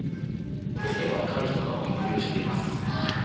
若い人がお祈りをしています。